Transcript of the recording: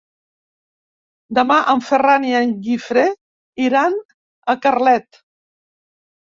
Demà en Ferran i en Guifré iran a Carlet.